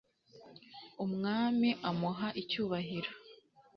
umwami amuha icyubahiro